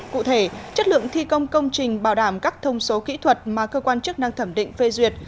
cụ thể chất lượng thi công công trình bảo đảm các thông số kỹ thuật mà cơ quan chức năng thẩm định phê duyệt